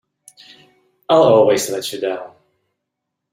I'll always let you down!